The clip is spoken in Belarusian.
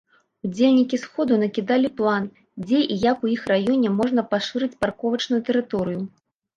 Удзельнікі сходу накідалі план, дзе і як у іх раёне можна пашырыць парковачную тэрыторыю.